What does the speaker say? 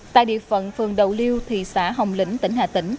tại địa phận phường đầu liêu thị xã hồng lĩnh tỉnh hà tĩnh